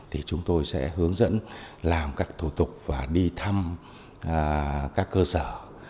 thì chúng tôi sẽ hướng dẫn làm các thủ tục và đi thăm các cơ sở